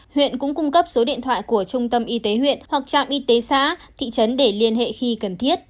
huyện cũng cung cấp số điện thoại của trung tâm y tế huyện hoặc trạm y tế xã thị trấn để liên hệ khi cần thiết